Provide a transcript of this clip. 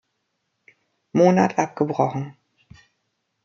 Monat abgebrochen.